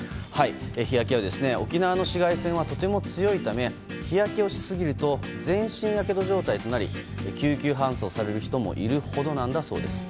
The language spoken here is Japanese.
日焼けは沖縄の紫外線はとても強いため日焼けをしすぎると全身やけど状態となり救急搬送される人もいるほどなんだそうです。